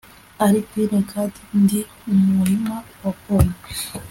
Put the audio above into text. ari pine kandi ndi umurima wa pome